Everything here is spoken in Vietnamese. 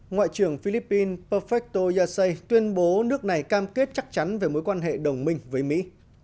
ngoại trưởng philippines pakic toyashi tuyên bố nước này cam kết chắc chắn về mối quan hệ đồng minh với mỹ